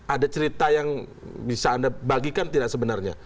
ada cerita yang bisa anda bagikan tidak sebenarnya